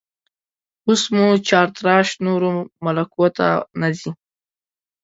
اوس مو چارتراش نورو ملکو ته نه ځي